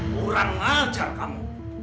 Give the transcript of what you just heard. kurang macar kamu